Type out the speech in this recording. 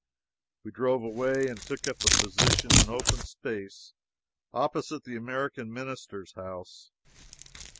We drove away and took up a position in an open space opposite the American minister's house.